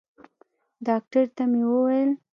ډاکتر ته مې وويل.